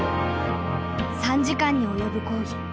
３時間に及ぶ講義。